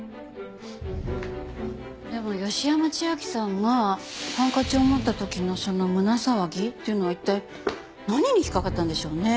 でも芳山千昭さんがハンカチを持った時のその胸騒ぎっていうのは一体何に引っかかったんでしょうね？